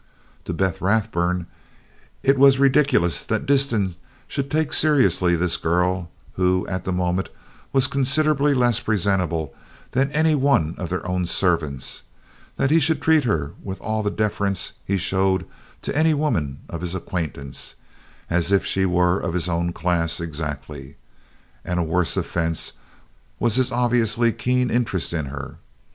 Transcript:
To Beth Rathburn, it was ridiculous that Disston should take seriously this girl who, at the moment, was considerably less presentable than any one of their own servants that he should treat her with all the deference he showed to any woman of his acquaintance, as if she were of his own class exactly! And a worse offense was his obviously keen interest in her.